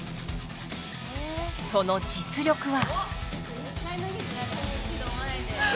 その実力は。